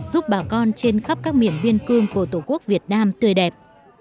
giúp bà con trên khắp các miền biên cương của tổ quốc việt nam tươi đẹp